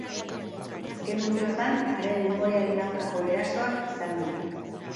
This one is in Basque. Azken urteotan, haren memoriaren aurkako erasoak izan dira.